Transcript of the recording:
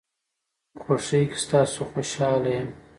په خوشۍ کې ستاسو خوشحال یم.